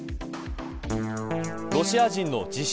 ロシア人の自称